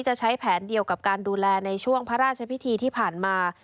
จะใช้แผนเดียวกับการดูแลในช่วงพระราชพิธีที่ผ่านมา